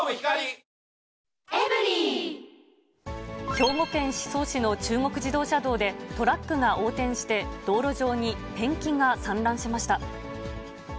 兵庫県宍粟市の中国自動車道で、トラックが横転して道路上にペンキが散乱しました。